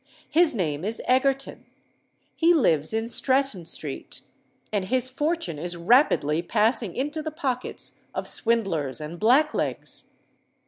"His name is Egerton—he lives in Stratton Street—and his fortune is rapidly passing into the pockets of swindlers and black legs.